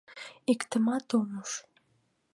Иктымат ом уж.